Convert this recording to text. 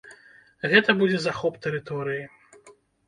Гэта будзе захоп тэрыторыі.